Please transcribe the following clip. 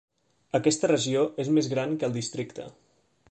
Aquesta regió és més gran que el districte.